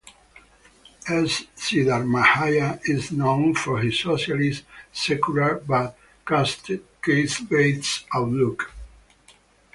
S Siddharamaiah, is known for his socialist, secular but caste-based outlook.